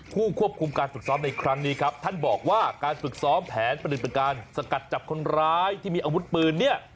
ผู้ควบคุมการฝึกซ้อมในครั้งนี้ครับท่านบอกว่าการฝึกซ้อมแผนปฏิบัติการสกัดจับคนร้ายที่มีอาวุธปืนเนี่ย